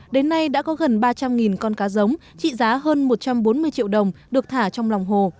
đến nay đã có gần ba trăm linh con cá giống trị giá hơn một trăm bốn mươi triệu đồng được thả trong lòng hồ